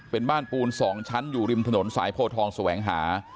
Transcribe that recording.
เป็นบ้านปูน๒ชั้นอยู่ริมถนนสายโพทองแสวงหา